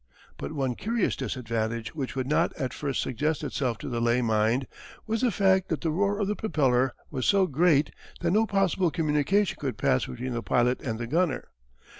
But one curious disadvantage which would not at first suggest itself to the lay mind was the fact that the roar of the propeller was so great that no possible communication could pass between the pilot and the gunner.